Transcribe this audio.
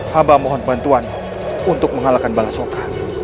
haba mohon bantuan untuk mengalahkan balasoka